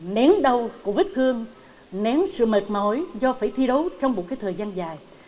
nén đau của vết thương nén sự mệt mỏi do phải thi đấu trong một thời gian dài